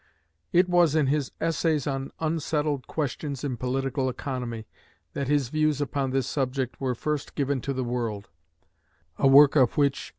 It was in his "Essays on Unsettled Questions in Political Economy" that his views upon this subject were first given to the world, a work of which M.